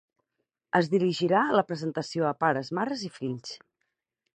Es dirigirà la presentació a pares, mares i fills.